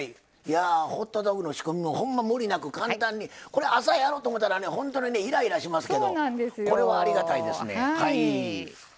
ホットドッグの仕込みもほんまムリなく簡単に朝やろうと思ったら本当にイライラしますけどこれは、ありがたいですね。